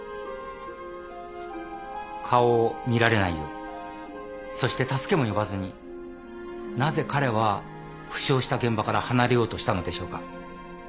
顔を見られないようそして助けも呼ばずになぜ彼は負傷した現場から離れようとしたのでしょうか。